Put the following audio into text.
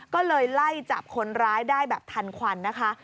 ก็เลยไล่จับคนร้ายได้แบบทันควันนะคะ